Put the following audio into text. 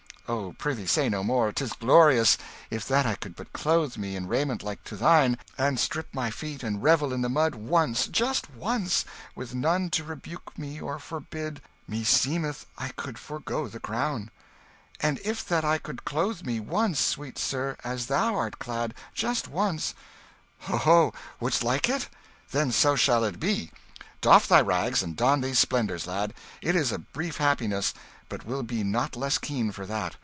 "Oh, prithee, say no more, 'tis glorious! If that I could but clothe me in raiment like to thine, and strip my feet, and revel in the mud once, just once, with none to rebuke me or forbid, meseemeth I could forego the crown!" "And if that I could clothe me once, sweet sir, as thou art clad just once " "Oho, would'st like it? Then so shall it be. Doff thy rags, and don these splendours, lad! It is a brief happiness, but will be not less keen for that.